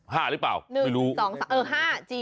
อ๋อเหรอ๕หรือเปล่าไม่รู้๑๒๓เออ๕จริง